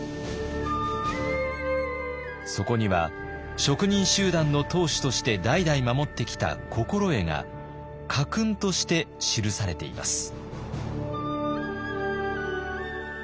そこには職人集団の当主として代々守ってきた心得が家訓として記されています。